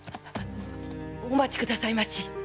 お待ちくださいまし。